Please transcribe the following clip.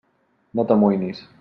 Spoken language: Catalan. No t'amoïnis.